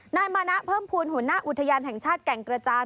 นายมานะเพิ่มภูมิหัวหน้าอุทยานแห่งชาติแก่งกระจาน